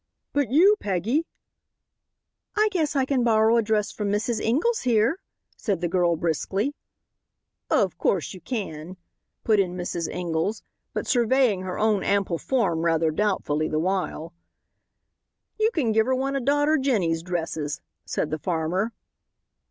"But you, Peggy?" "I guess I can borrow a dress from Mrs. Ingalls here," said the girl briskly. "Of course, you kin," put in Mrs. Ingalls, but surveying her own ample form rather doubtfully the while. "You kin give her one of daughter Jenny's dresses," said the farmer.